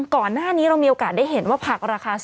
ก่อนหน้านี้เรามีโอกาสได้เห็นว่าผักราคา